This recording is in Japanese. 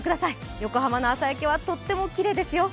横浜の朝焼けはとってもきれいですよ。